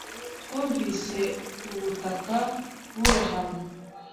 Twumvise ubutaka burohama.